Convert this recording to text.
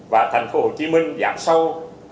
và thành phố hồ chí minh giảm sâu